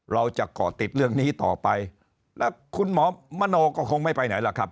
ก่อติดเรื่องนี้ต่อไปแล้วคุณหมอมโนก็คงไม่ไปไหนล่ะครับ